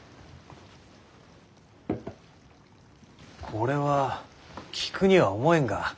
これは菊には思えんが。